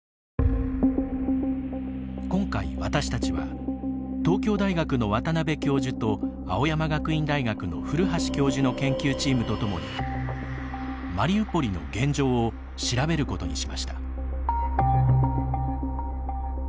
今回、私たちは東京大学の渡邉教授と青山学院大学の古橋教授の研究チームとともにマリウポリの現状を調べることにしました。